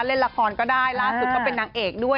เล่นละครก็ได้ล่าสุดก็เป็นนางเอกด้วย